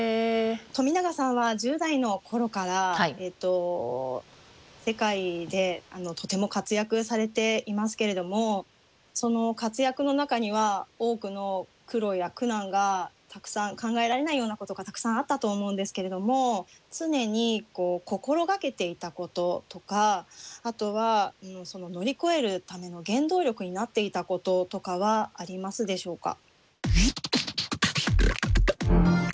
冨永さんは１０代の頃から世界でとても活躍されていますけれどもその活躍の中には多くの苦労や苦難がたくさん考えられないようなことがたくさんあったと思うんですけれども常に心がけていたこととかあとは乗り越えるための原動力になっていたこととかはありますでしょうか？